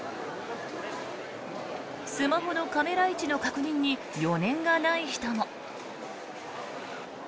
スマホのカメラ位置の確認に余念がない人も。